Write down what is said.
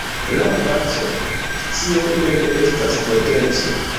Laŭ Bacon, "scio mem estas potenco".